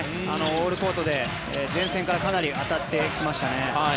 オールコートで前線から当たってきましたね。